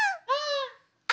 「あ！」。